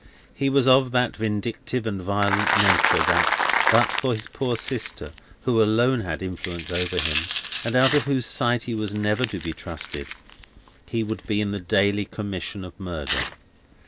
He was of that vindictive and violent nature, that but for his poor sister, who alone had influence over him, and out of whose sight he was never to be trusted, he would be in the daily commission of murder.